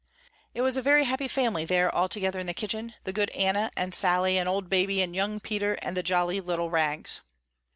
It was a very happy family there all together in the kitchen, the good Anna and Sally and old Baby and young Peter and the jolly little Rags.